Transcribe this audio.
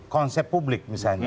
konsep publik misalnya